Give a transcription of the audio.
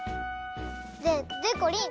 ででこりん！